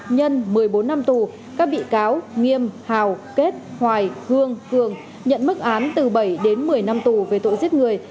nhân một mươi bốn năm tù các bị cáo nghiêm hào kết hoài hương cường nhận mức án từ bảy đến một mươi năm tù về tội giết người